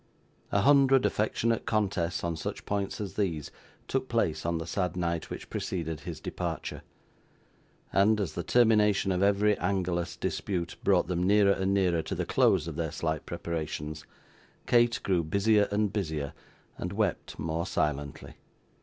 A hundred affectionate contests on such points as these, took place on the sad night which preceded his departure; and, as the termination of every angerless dispute brought them nearer and nearer to the close of their slight preparations, Kate grew busier and busier, and wept more silently.